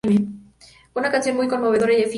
Una canción muy conmovedora y edificante.